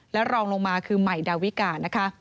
และรองลงมาคือไหมดาวิกา